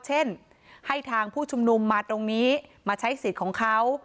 เช่นให้ทางผู้ชุมนุมมาตรงนี้มาใช้สิทธิ์ของเขา